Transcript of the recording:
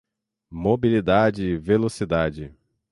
Mobilidade e Velocidade